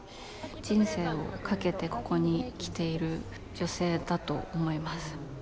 人生をかけてここに来ている女性だと思います。